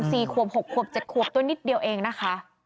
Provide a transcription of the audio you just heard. สี่ขวบหกขวบเจ็ดขวบตัวนิดเดียวเองนะคะ